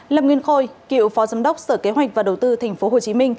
lâm nguyên khôi cựu phó giám đốc sở kế hoạch và đầu tư tp hcm